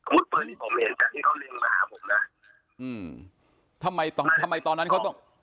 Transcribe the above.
กุ๊ดปืนมันผมเองการเร่งมหาผม